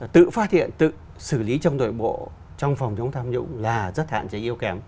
tự phát hiện tự xử lý trong nội bộ trong phòng chống tham nhũng là rất hạn chế yêu kém